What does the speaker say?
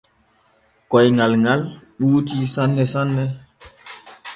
Koyŋal ŋal ɓuutii sanne sanne.